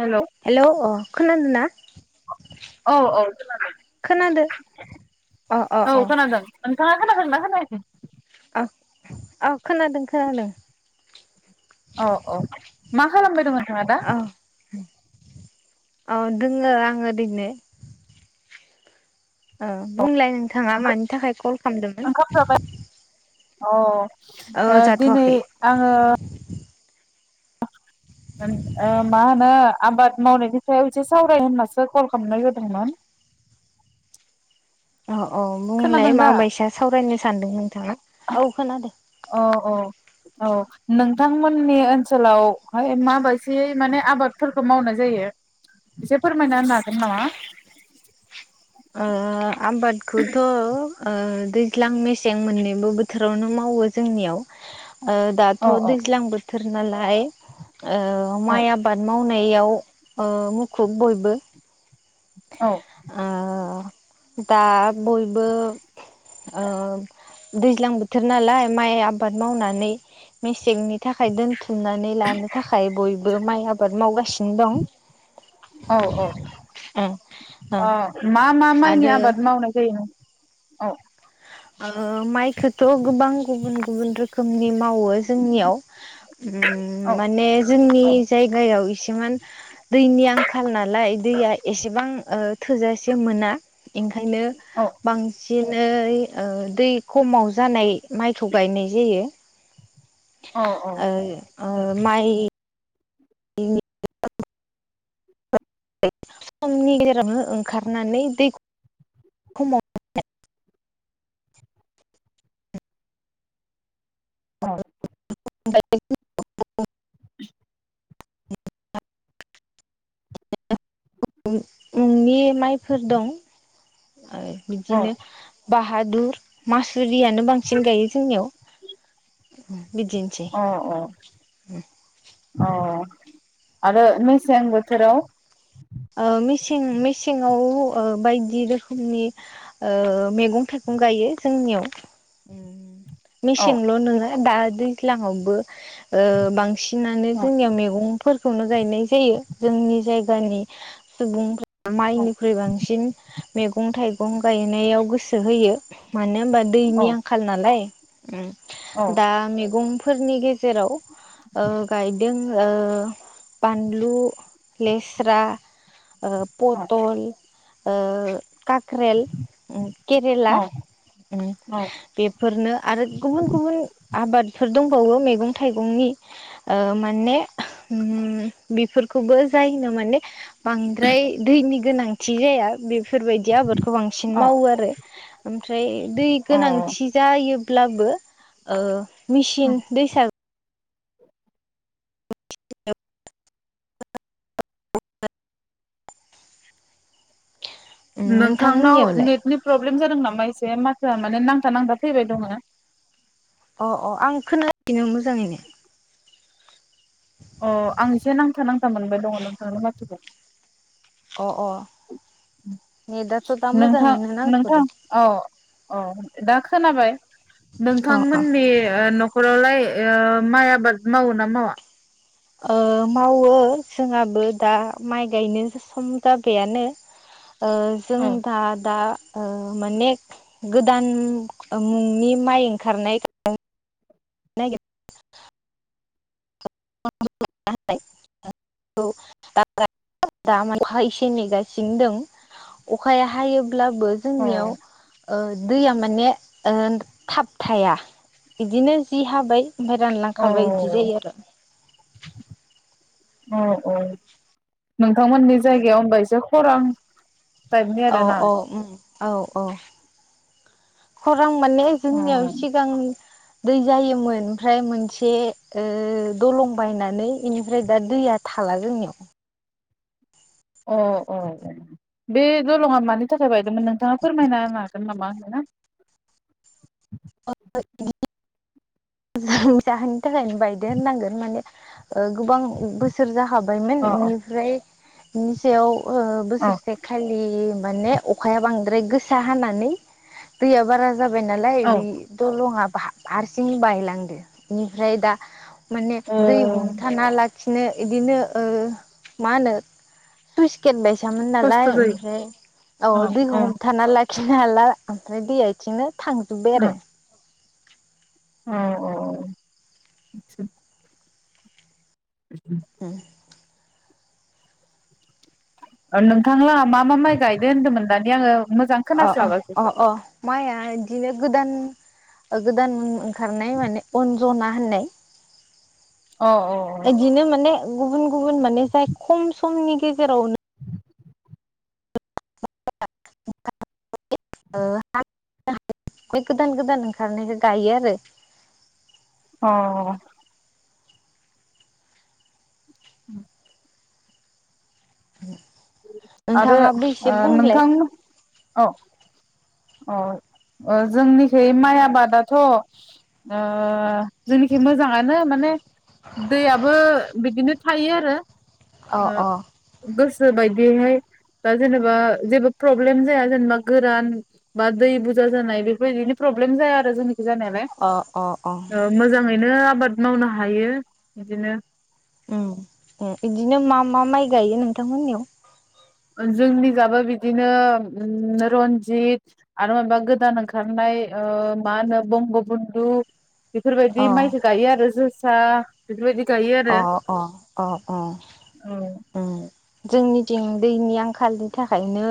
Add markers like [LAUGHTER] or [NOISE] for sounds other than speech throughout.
Hello hello अ' खोनादोंना? औ औ, खोनादो अ अ औ अ खोनादों ङा खोनादोंना खोनायाखै? औ खोनादों खोनादों। औ औ मा खालामबायदंमोन? औ औ दोङो आं ओरिनो। औ बुंलाय नोंथाङा मानि थाखाय कल खालामदोंमोन? ओंखाम जाबाय अ' औ ओ दिनै जाथ'वाखै आङो ओ मा होनो आबाद मावनायनि सायाव एसे सावराय होननासो कल खालामनाय जादोंमोन। औ औ बुंलाय खोनादों दा? माबायसा सावरायनो सानदों नोंथाङा। औ खोनादो। औ औ औ नोंथांमोननि ओनसोलावहाय माबायसायै माने आबादफोरखौ मावनाय जायो एसे फोरमायना होनो हागोन नामा? ओ आबादखौथ' ओ दैज्लां मेसें मोननैबो बोथोरावनो मावो जोंनियाव। ओ दाथ' औ औ दैज्लां बोथो थोर नालाय औ औ माइ आबाद मावनो नायाव ओ मुखुब बयबो औ। ओ दा बयबो ओ दैज्लां बोथोर नालाय माइ आबाद मावनानै मेसेंनि थाखाय दोनथुमनानै लानो था खाय बयबो माइ आबाद मावगासि नो दं। औ औ। ओ ओ अ' मा मा माइनि आरो आबाद मावनाय जायो नों औ। ओ माइखौथ' गोबां गुबुन गुबुन रोखोमनि मावो जोंनियाव उम औ माने जोंनि नि जायगायाव इसेमान दैनि आंखाल नालाय दैया एसेबां ओ थोजासे मोना ओंखायनो औ बांसिन नै ओ दै खमाव जानाय माइखौ गायनाय जायो। औ औ ओ औ ओं माइ नि [UNINTELLIGIBLE] समनि जेरावनो ओंखारनानै दैखौ खमाव ओं [UNINTELLIGIBLE] [UNINTELLIGIBLE] [UNINTELLIGIBLE] नि माइफोर दं। [UNINTELLIGIBLE] बिदिनो बा बादुर मास जुरियानो बांसिन गायो जोंनियाव हो अ अ अ आरो मेसें बोथोराव ओ मेसें मेसेंआव ओ बायदि रोखोमनि ओ मैगं-थाइगं गायो जोंनियाव उम औ मेसें ल'नो नङा दा दैज्लाांयावबो ओ बांसिनानो औ जोंनियाव मैगंफोर संनो जायनाय जायो जोंनि जाय जानि सुबुंफोर औ माइनिख्रुइ बांसिन मैगं-थाइ गं गायनायाव गोसो होयो मानो होमबा औ दैनि आंखाल नालाय औ ओम दा मैगं फोरनि गेजेराव गायदों ओ बानलु लेस्रा ओ औ पथल ओ काक्रेल, उम केरेला उम बेफोरनो आरो गुबुन गुबुन आबादफोर दं। बो मैगं थाइगंनि ओ माने बेफोरखौबो जायो नो माने बांद्राय बेफोरबायदि आबादखौ बांसिन औ मावो आरो ओमफ्राय दै औ गोनांथि जायो ब्लाबो ओ मेसिन दैसा सार [UNINTELLIGIBLE] नोंथांनाव नोंथांमोननियावलाय नेटनि प्रब्लेम जादों नामा नामा एसे माथोआ माने नांथा नांथा फैबाय दंङो अ अ आं खोनासिनो मोजाङैनो अ आं एसे नांथा नांथा मोनबाय दङ नोंथांनि माथोखौ अ अ नेदाथ दा मोजांङैनो नांथदों अ दा खोनाबाय अ अ नोंथांमोननि ओ नख खरावलाय ओ माइ आबाद मावो ना मावा ओ मावो जोंहाबो दा माइ गायनो सम जाबायानो ओ जों औ दा दा ओ माने गोदान मुंनि माइ ओंखारनाय नागिर [UNINTELLIGIBLE] अखा एसे नेगासिनो दं अखाया हायो ब्लाबो औ जोंनियाव ओ दैया ओन माने थाब थाया इदिनो जि हाबाय ओमफ्राय रानलांखाबाय बिदि जायो औ आरो [INAUDIBLE] औ औ नोंथांमोननि जायगायाव हनबा एसे खरां टाइपनि औ आरोना औ उम औ अ खर रां माने जोंनियाव अ सिगां दै जायोमोन ओमफ्राय मोनसे ओ दलं बायनानै बेनिफ्राय दा दैया थाला जोंनियाव अ औ औ बे दलंङा मानि थाखाय बाय दोंमोन नोंथाङा फोरमायना होनो हा गोन नामा आरोना जोंनि जाहोननि थाखायनो बायदो होननांगोन माने ओ गोबां बोसोर जाखाबायमोन अ अ इनिफ्राय बिनि सायाव ओ औ बोसोरसे खालि माने अखाया बांद्राय गोसा हानानै दैया बारा जाबाय नालाय औ बे दलंङा हा हारसिं बाय लांदो इनिफ्राय दा माने अ दै हमथाना ला सिनो इदिनो ओ मा होनो सुइस गेट बायस फैयामोन खस्थ' नालाय जायो ओमफ्राय औ अ अ दैखौ हमथाना लाखि खिनो हाला ओमफ्राय दै इथिंनो थांजोब्बाय आरो औ औ। [INAUDIBLE] नोंथां लाहा मा मा माइ गायदों होनदोंमोन दानि आङो मोजां अ अ खोनास्लाबासै अ अ माया बिदिनो गोदान गोदान ओंखारनाय माने अनजना होननाय। अ अ इदिनो माने गुबुन गुबुन माने जाय खम समनि गेजेरावनो [INAUDIBLE] [UNINTELLIGIBLE] बे गोदान गोदान ओंखारनायखौ गायो आरो। अ। उम। [INAUDIBLE] आरो नोंथाङाबो एसे ओ बुंलाय नोंथां औ। अ जोंनिखै माइ आबादाथ ओ जोंनिथिं मोजाङानो माने दैयाबो बिदिनो थायो आरो। अ ओ अ गोस गोसो बायदियैहाय बा जेनेबा जेबो प्रब्लेम जाया जेनेबा गोरान बा दै बुरजा जानाय बेफोरबायदिनो प्रब्लेम जाया आरो जोंन जानायालाय अ अ मोजाङैनो‌ आबाद मावनो हायो बिदिनो उम उम बिदिनो मा मा माइ गायो नोंथांमोननियाव जोंनि जाबो बिदिनो रन्जित आरो माबा गोदान ओंखारनाय मा होनो बंगबन्धु। बेफोरबायदि अ माइखौ गायो आरो जोस जोसा बेफोरबायदि। गायो अ आरो अ अ अ औ जोंनि थिं दैनि आंखालनि थाखायनो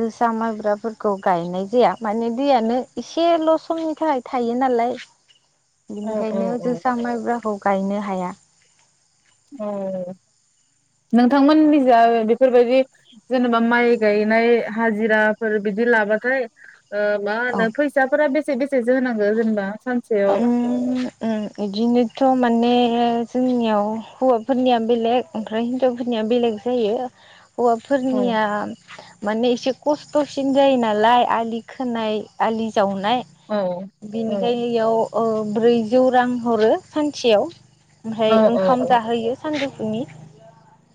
जोसा माइब्राफोरखौ गायनाय जाया माने दैयानो एसेल समनि थाखाय थायो नालाय। औ औ बिनिखायनो औ जोसा मायब्राखौ गायनो हाया। औ नोंथांमोन निजा बेफोरबायदि जेनेबा माइ गायनाय हाजिराफोर बिदि लाबाथाय। ओ मा औ होनो फैसाफोरा बेसे बेसे। सेसो होनांगौ जेनेबा। सानसेयाव [UNINTELLIGIBLE] इदिनोथ माने। जोंनियाव हौवाफोरनिया बेलेग ओमफ्राय हिनजावफोरनिया बेलेग जायो। औ हौवाफोरनिया। माने एसे खस्थसिन जायो नालाय आलि खोनाय, आलि जावनाय औ औ बेनिखायनो अ ओ ब्रैजौ रां हरो सानसेयाव। ओमफ्राय औ औ ओंखाम औ जाहोयो सानजौ फुनि।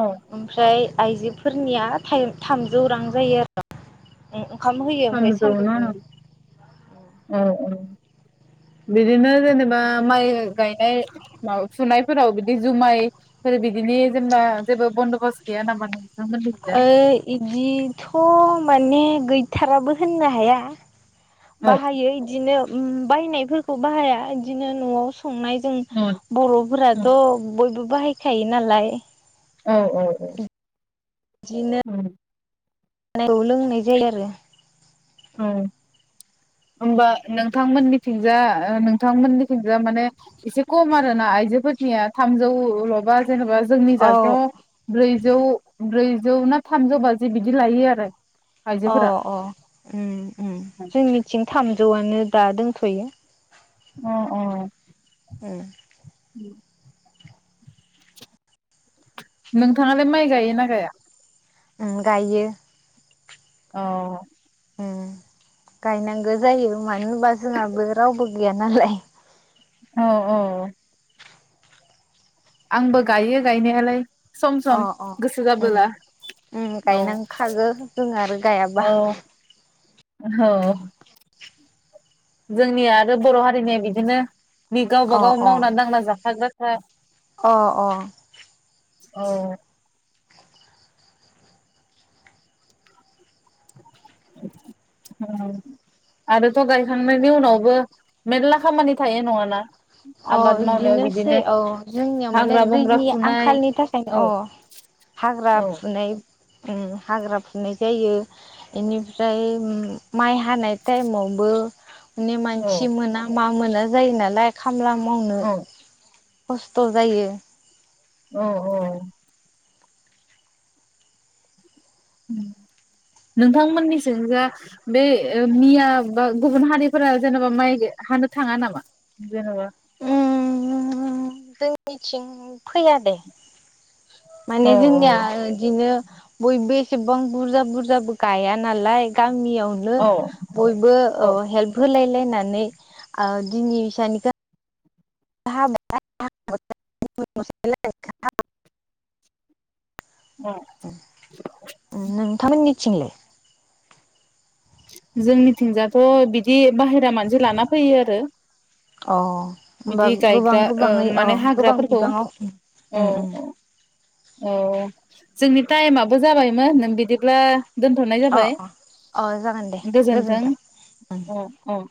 औ ओमफ्राय आइजोफोरनिया थाइम थामजौ रां जायो आरो। ओंखाम होयो ओमफ्राय थामजौ ना? सानजौफुनि औ औ। बिदिनो जेनेबा माइ गायनाय मा फुनायफोराव बिदि जुमायफोर बिदिनि जेनेबा जेबो बन्दबस्त गैया नामा नों ओ इदिथ माने गै थाराबो होननो हाया। औ बाहायो इदिनो ओम बायनायफोरखौ बाहाया इदिनो न आव संनाय जों औ बर औ फोराथ बयबो बाहायखायो नालाय। औ औ औ। बिदिनो [UNINTELLIGIBLE] [UNINTELLIGIBLE] लोंनाय जायो आरो। औ होमबा नोंथांमोननिथिंजा ओ नोंथांमोननिथिंजा माने एसे खम आरो ना? आइजोफोरनिया थामजौल बा जेनेबा जोंनि औ जासेयाव ब्रैजौ ब्रैजौ ना थामजौ बाजि बिदि लायो आरो। अ आइजोफोरा अ उम। उम उम जोंनिथिं थामजौआनो दा दोंथयो। अ अ। उम। [UNINTELLIGIBLE] नोंथाङालाय माइ गायोना गाया? उम गायो। अ। गायनांगौ जायो मानो होनबा जोंहाबो रावबो गैया नालाय। औ औ। आंबो गायो गायनायालाय। सम सम अ अ गोसो उम जाबोला उम औ गायनांखागो जोंहा आरो औ गायाबा औ। जोंनि आरो बर हारिनिया बिदिनो बि गावबा अ गाव अ मावना दांना जाखाग्रा [UNINTELLIGIBLE] अ अ औ आरोथ गायखांनायनि उनावबो मेरला खामानि थायो नङाना अ आबाद मावनायाव बिदिनोसै बिदिनो औ जोंनियाव माने हाग्रा बंग्रा दैनि फुनाय आंखालनि थाखायनो औ हाग्रा औ फुनाय हाग्रा फुनाय जायो बेनिफ्राय माइ हानाय टाइमावबो औ मानसि मोना मा मोना जायो नालाय खामला मावनो औ खस्थ जायो औ औ नोंथांमोननिथिं जाय बे मिया बा गुबुन हारिफोरा जेनेबा माइ हानो थाङा नामा जेनेबा जोंनिथिं फैया दे औ माने जोंनिया बिदिनो बयबो एसेबां बुरजा बुरजाबो गाया नालाय गा गामियाव नो औ बयबो औ अह हेल्प होलाय लायना नै ओ दिनि बिसानि गा औ [UNINTELLIGIBLE] नोंथांमोनि थिंलाय जोंनिथिंजायाथ बिदि बाहेरा मानसि लाना फैयो आरो अह होमबा बिदि गोबां गायग्रा ओ गोबाङै औ माने गोबां हाग्राफोरखौ बिबाङाव औ औ जोंनि टाइमाबो जाबायमोन बिदिब्ला दोनथनाय अ जाबाय अ अ जागोन दे गोजोन्थों अ